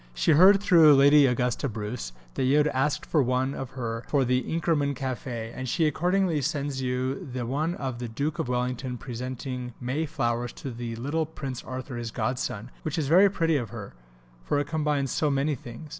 She heard thro' Lady Augusta Bruce that you had asked for one of her for the "Inkerman Café "; and she accordingly sends you the one of the Duke of Wellington presenting May flowers to the little Prince Arthur his godson; which is very pretty of her, for it combines so many things.